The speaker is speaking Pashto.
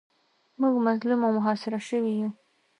موږ مظلوم او محاصره شوي یو.